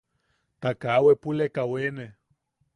Ta kaa wepulaka wene.